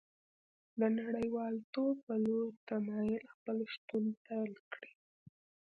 د نړیوالتوب په لور تمایل خپل شتون پیل کړی